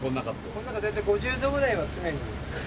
この中、大体５０度ぐらいは常に。